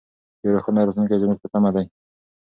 یو روښانه راتلونکی زموږ په تمه دی.